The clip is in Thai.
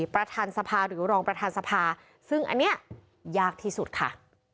ประธานสภาหรือรองประธานสภาซึ่งอันนี้ยากที่สุดค่ะ